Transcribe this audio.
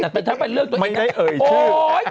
แต่ถ้าเป็นเรื่องตัวเองไม่ได้เอ่ยชื่อ